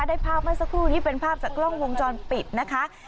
ได้ภาพเมื่อสักครู่นี้เป็นภาพจากกล้องวงจรปิดนะคะ